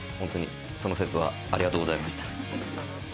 その節はありがとうございました。